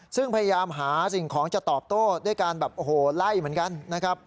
ซึ่งพยายามหาสิ่งของจะตอบโต้ด้วยการแบบโอ้โหไล่เหมือนกันนะครับ